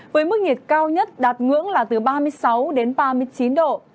với mức nhiệt cao nhất đạt ngưỡng là từ ba mươi sáu đến ba mươi chín độ